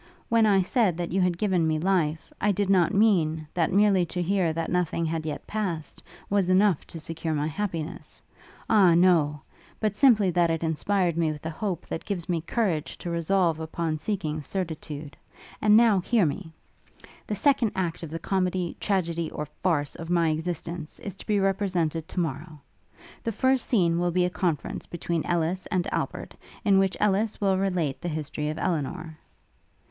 When I said that you had given me life, I did not mean, that merely to hear that nothing had yet passed, was enough to secure my happiness: Ah no! but simply that it inspired me with a hope that gives me courage to resolve upon seeking certitude. And now, hear me! 'The second act of the comedy, tragedy, or farce, of my existence, is to be represented to morrow. The first scene will be a conference between Ellis and Albert, in which Ellis will relate the history of Elinor.'